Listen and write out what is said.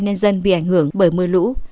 nhân dân bị ảnh hưởng bởi mưa lũ